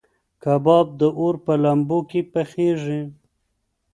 کباب د اور په لمبو کې پخېږي.